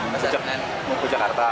mau ke jakarta